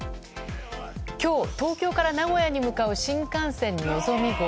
今日、東京から名古屋に向かう新幹線「のぞみ」号。